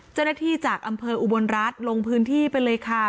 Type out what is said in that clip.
เจ้าหน้าที่จากอำเภออุบลรัฐลงพื้นที่ไปเลยค่ะ